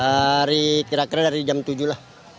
dari kira kira dari jam tujuh lah